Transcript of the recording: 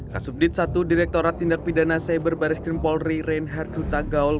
kasudit satu direkturat tindak pidana cyber baris krim polri reinhardt ruta gaul